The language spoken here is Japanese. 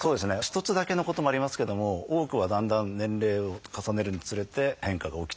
一つだけのこともありますけども多くはだんだん年齢を重ねるにつれて変化が起きて。